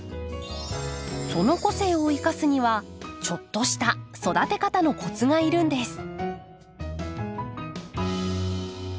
その個性を生かすにはちょっとした育て方のコツがいるんです。